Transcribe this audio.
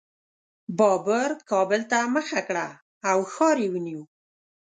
بابر کابل ته مخه کړه او ښار یې ونیو.